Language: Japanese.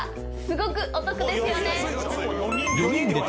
すごくお得ですよね